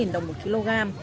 ba mươi đồng một kg